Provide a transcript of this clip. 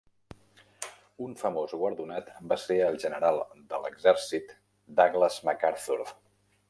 Un famós guardonat va ser el general de l'exèrcit Douglas MacArthur.